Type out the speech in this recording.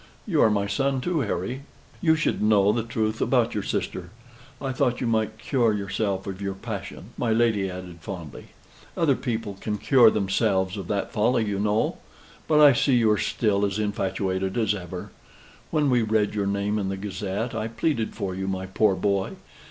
You are my son, too, Harry. You should know the truth about your sister. I thought you might cure yourself of your passion," my lady added, fondly. "Other people can cure themselves of that folly, you know. But I see you are still as infatuated as ever. When we read your name in the Gazette, I pleaded for you, my poor boy.